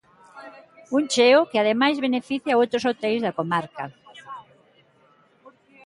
Un cheo que ademais beneficia outros hoteis da comarca.